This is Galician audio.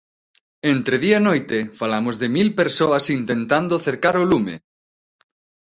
Entre día e noite falamos de mil persoas intentando cercar o lume.